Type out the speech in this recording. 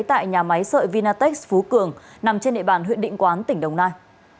tại nhà máy sợi vinatech phú cường nằm trên địa bàn huyện định quán tỉnh đồng nai